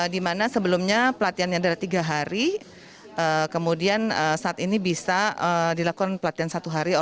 dimana sebelumnya pelatihan yang ada tiga hari kemudian saat ini bisa dilakukan pelatihan satu hari